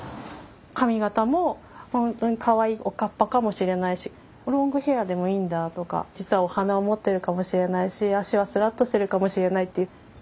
髪形もほんとにかわいいおかっぱかもしれないしロングヘアーでもいいんだとか実はお花を持ってるかもしれないし脚はすらっとしてるかもしれないっていう。